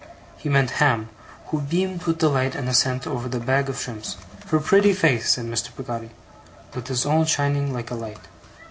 He meant Ham, who beamed with delight and assent over the bag of shrimps. 'Her pretty face!' said Mr. Peggotty, with his own shining like a light.